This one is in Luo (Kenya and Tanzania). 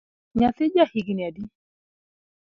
Nyathi ja higni adi?